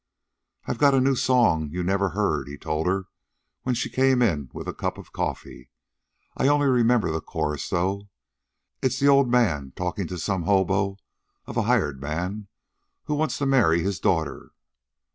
"I got a new song you never heard," he told her when she came in with a cup of coffee. "I only remember the chorus though. It's the old man talkin' to some hobo of a hired man that wants to marry his daughter.